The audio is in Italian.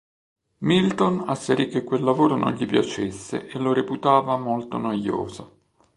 Milton asserì che quel lavoro non gli piacesse e lo reputava molto noioso.